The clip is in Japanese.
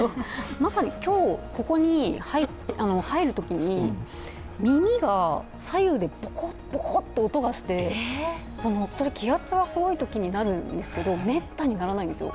まさに今日、ここに入るときに耳が左右でボコッ、ボコッと音がして、それ気圧がすごいときになるんですけど、めったにならないんですよ